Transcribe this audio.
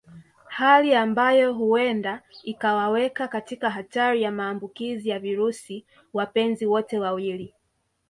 Hali ambayo huenda ikawaweka katika hatari ya maambukizi ya virusi wapenzi wote wawili